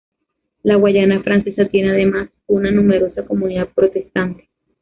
La Guayana Francesa tiene además una numerosa comunidad protestante.